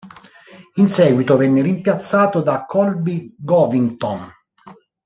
In seguito venne rimpiazzato da Colby Covington.